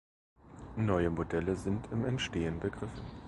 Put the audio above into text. Neue Modelle sind im Entstehen begriffen.